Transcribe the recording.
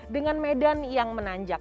dengan medan yang menanjak